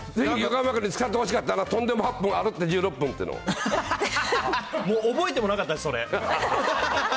横山君にも使ってほしかったな、とんでも８分、歩いて１６分ってもう、覚えてもなかったです、それ。